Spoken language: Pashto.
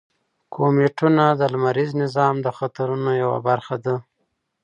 کومیټونه د لمریز نظام د خطرونو یوه برخه ده.